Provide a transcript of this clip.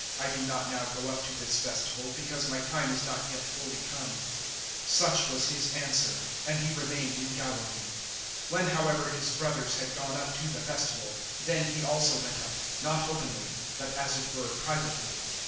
I do not now go up to this Festival, because my time is not yet fully come." 007:009 Such was His answer, and He remained in Galilee. 007:010 When however His brothers had gone up to the Festival, then He also went up, not openly, but as it were privately.